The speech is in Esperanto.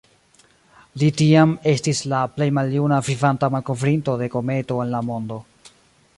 Li tiam estis la plej maljuna vivanta malkovrinto de kometo en la mondo.